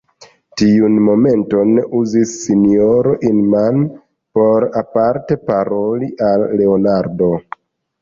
Tiun momenton uzis sinjoro Inman, por aparte paroli al Leonardo.